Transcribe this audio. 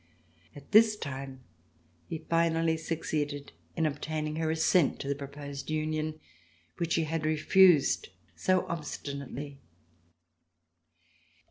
At this time he finally succeeded in obtaining her assent to the proposed union which she had refused so obstinately.